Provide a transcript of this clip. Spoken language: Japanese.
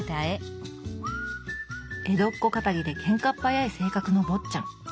江戸っ子かたぎでけんかっ早い性格の坊っちゃん。